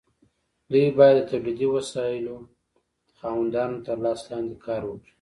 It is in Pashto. دوی باید د تولیدي وسایلو د خاوندانو تر لاس لاندې کار وکړي.